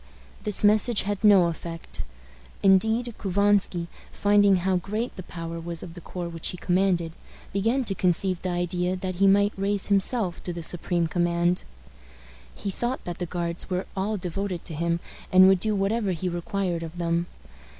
This message had no effect. Indeed, Couvansky, finding how great the power was of the corps which he commanded, began to conceive the idea that he might raise himself to the supreme command. He thought that the Guards were all devoted to him, and would do whatever he required of them.